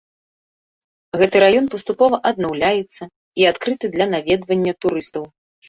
Гэты раён паступова аднаўляецца і адкрыты для наведвання турыстаў.